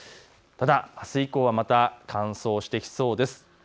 ただあす以降はまた乾燥してきそうです。